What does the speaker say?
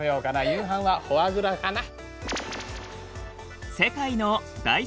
夕飯はフォアグラかな。